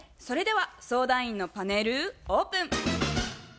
それでは相談員のパネルオープン。